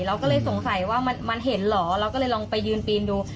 เราก็เลยสงสัยว่ามันเห็นเหรอเราก็เลยลองไปยืนปีนดู